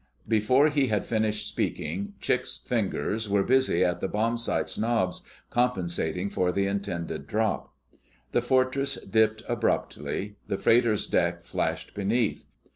Before he had finished speaking, Chick's fingers were busy at the bombsight's knobs, compensating for the intended drop. The Fortress dipped abruptly. The freighter's deck flashed beneath.